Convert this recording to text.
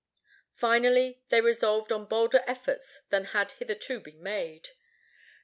Finally, they resolved on bolder efforts than had hitherto been made.